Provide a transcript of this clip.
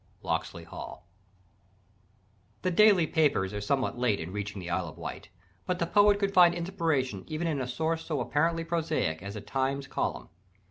Locksley Hall. The daily papers are somewhat late in reaching the Isle of Wight: but the poet could find inspiration even in a source so apparently prosaic as a Times column.